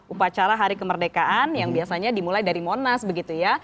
upacara hari kemerdekaan yang biasanya dimulai dari monas begitu ya